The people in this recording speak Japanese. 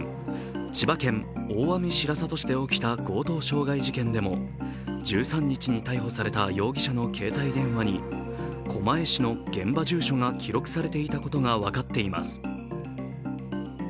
千葉県大網白里市で起きた強盗傷害事件でも１３日に逮捕された容疑者の携帯電話に狛江市の現場住所が記録されていたことが分かっています。